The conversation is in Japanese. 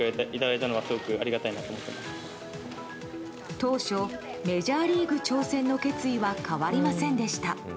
当初メジャーリーグ挑戦の決意は変わりませんでした。